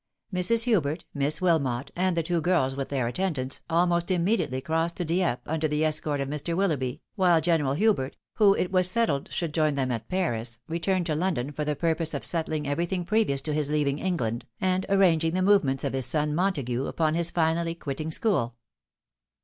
Mrs. Hubert, Miss Wilmot, and the two girls with their attendants, almost immediately crossed to Dieppe under the escort of Mr. Willoughby, while General Hubert, who it was settled should join them at Paris, returned to London for the purpose of settling everything previous to his leaving England, and arranging the movements of his son Montague upon his finally quitting school.